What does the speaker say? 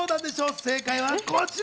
正解はこちら！